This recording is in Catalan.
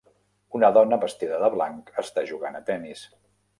Una dona vestida de blanc està jugant a tennis.